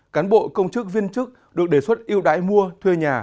cán bộ công chức viên chức được đề xuất yêu đãi mua thuê nhà